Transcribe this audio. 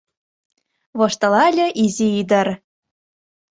— воштылале изи ӱдыр.